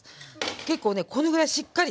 結構ねこのぐらいしっかり。